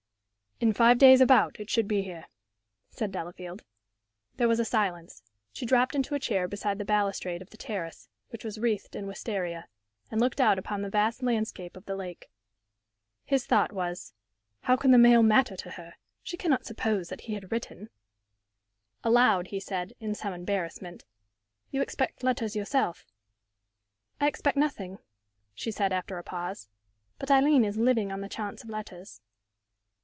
"In five days, about, it should be here," said Delafield. There was a silence. She dropped into a chair beside the balustrade of the terrace, which was wreathed in wistaria, and looked out upon the vast landscape of the lake. His thought was, "How can the mail matter to her? She cannot suppose that he had written " Aloud he said, in some embarrassment, "You expect letters yourself?" "I expect nothing," she said, after a pause. "But Aileen is living on the chance of letters."